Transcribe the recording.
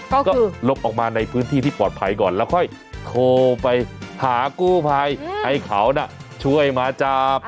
ก็ลบออกมาในพื้นที่ที่ปลอดภัยก่อนแล้วค่อยโทรไปหากู้ภัยให้เขาช่วยมาจับ